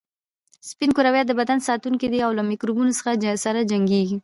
سپین کرویات د بدن ساتونکي دي او له میکروبونو سره جنګیږي